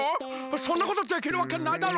そんなことできるわけないだろ！